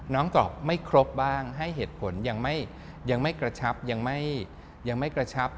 น้องตอบไม่ครบบ้างให้เหตุผลยังไม่กระชับ